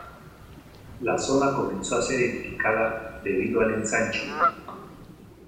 La zona comenzó a ser edificada debido al ensanche.